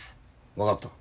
分かった。